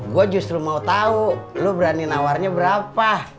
gue justru mau tahu lo berani nawarnya berapa